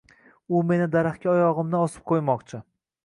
U meni daraxtga oyogʻimdan osib qoʻymoqchi.